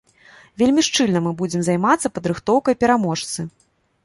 Вельмі шчыльна мы будзем займацца падрыхтоўкай пераможцы.